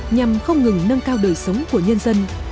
nhằm không ngừng nâng cao đời sống của nhân dân